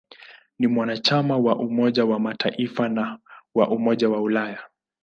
Ni mwanachama wa Umoja wa Mataifa na wa Umoja wa Ulaya.